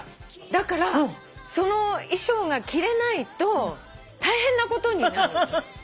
だからその衣装が着れないと大変なことになる。